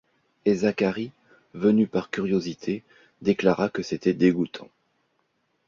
Et Zacharie, venu par curiosité, déclara que c’était dégoûtant.